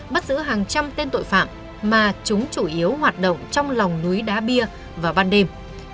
bắt giữ hàng trăm tên tội phạm mà chúng chủ yếu hoạt động trong lòng núi đá bia vào ban đêm